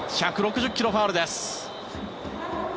１６０ｋｍ、ファウルです。